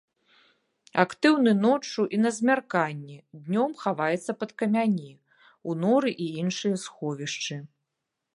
Актыўны ноччу і на змярканні, днём хаваецца пад камяні, у норы і іншыя сховішчы.